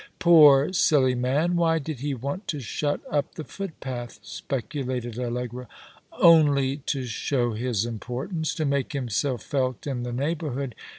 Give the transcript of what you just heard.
" Poor, silly man, why did he want to shut up the foot path ?" speculated Allegra. " Only to show his importance — to make himself felt in the neighbourhood.